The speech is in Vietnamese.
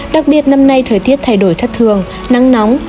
đặc biệt năm nay thời tiết thay đổi thất thường nắng nóng